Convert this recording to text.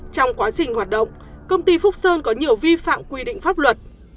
trong quá trình hoạt động công ty phúc sơn có nhiều vi phạm quy định pháp luật